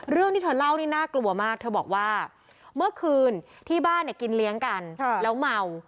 เรื่องที่เธอเล่านี่น่ากลัวมากเธอบอกว่าเมื่อคืนที่บ้านเนี่ยกินเลี้ยงกันแล้วเมา